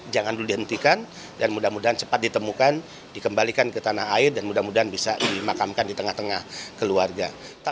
jangan dulu dihentikan dan mudah mudahan cepat ditemukan dikembalikan ke tanah air dan mudah mudahan bisa dimakamkan di tengah tengah keluarga